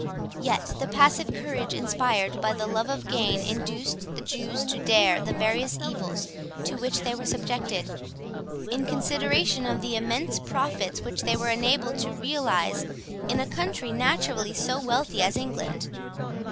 Yet the passive courage inspired by the love of gain, induced the Jews to dare the various evils to which they were subjected, in consideration of the immense profits which they were enabled to realize in a country naturally so wealthy as England.